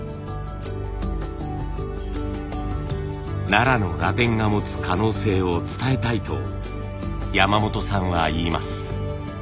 奈良の螺鈿が持つ可能性を伝えたいと山本さんは言います。